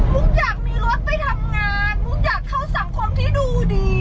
ุ๊กอยากมีรถไปทำงานมุกอยากเข้าสังคมที่ดูดี